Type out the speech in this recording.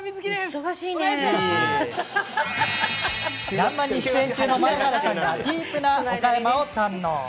「らんまん」に出演中の前原さんがディープな岡山を堪能。